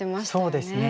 そうですね。